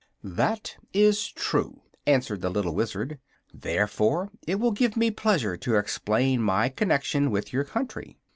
"That is true," answered the little Wizard; "therefore it will give me pleasure to explain my connection with your country.